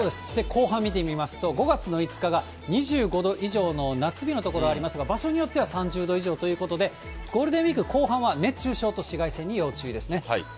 後半見てみますと、５月の５日が２５度以上の夏日の所ありますが、場所によっては３０度以上ということで、ゴールデンウィーク後半は熱中症と紫外線に要注意ですね。